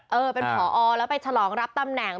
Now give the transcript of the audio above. เออเป็นผอแล้วไปฉลองรับตำแหน่ง